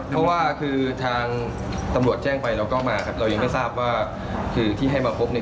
เพราะว่าคือทางตำรวจแจ้งไปเราก็มาครับเรายังไม่ทราบว่าคือที่ให้มาพบเนี่ย